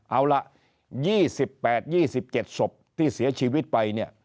เอาล่ะ๒๘๒๗ศพที่เสียชีวิตไปเนี่ย